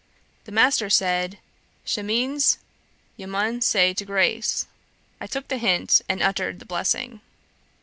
The master said, 'Shah meeans yah mun sey t' greyce.' I took the hint, and uttered the blessing.